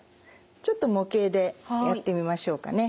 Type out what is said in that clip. ちょっと模型でやってみましょうかね。